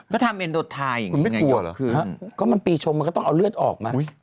ก็ทำเอ็นโดดภาอย่างนี้ก็มันปีชมต้องเอาเลือดออกมา